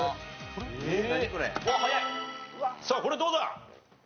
さあこれどうだ？